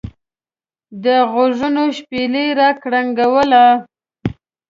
دغوږونو شپېلۍ را کرنګوله.